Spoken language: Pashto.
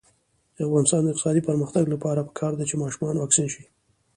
د افغانستان د اقتصادي پرمختګ لپاره پکار ده چې ماشومان واکسین شي.